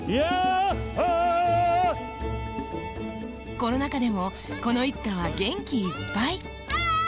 コロナ禍でもこの一家は元気いっぱい